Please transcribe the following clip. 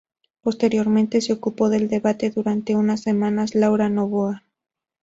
Posteriormente, se ocupó del debate durante unas semanas Laura Novoa.